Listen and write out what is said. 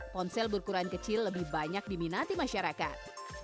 ponsel berukuran kecil lebih banyak diminati masyarakat